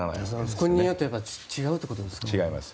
国によって違うということですか。